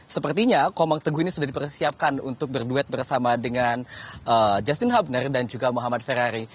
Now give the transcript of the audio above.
sepertinya komang teguh ini sudah dipersiapkan untuk berduet bersama dengan justin hubner dan juga muhammad ferrari